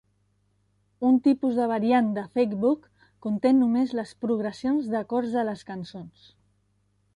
Un tipus de variant de fake book conté només les progressions d'acords de les cançons.